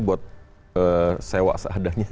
buat sewa seadanya